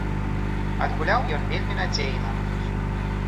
Адгуляў ён вельмі надзейна.